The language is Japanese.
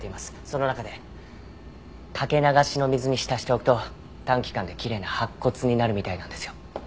その中でかけ流しの水に浸しておくと短期間できれいな白骨になるみたいなんですよ。